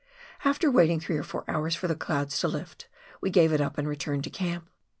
After waiting three or fcur hours for the clouds to lift, we gave it up and returned to camp.